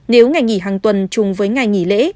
nếu ngày nghỉ hàng tuần chung với ngày nghỉ lễ